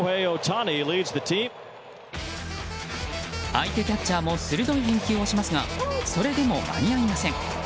相手キャッチャーも鋭い返球をしますがそれでも間に合いません。